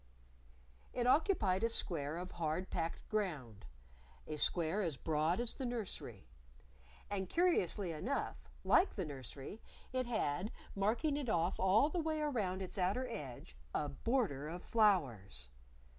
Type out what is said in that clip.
It occupied a square of hard packed ground a square as broad as the nursery. And curiously enough, like the nursery, it had, marking it off all the way around its outer edge, a border of flowers!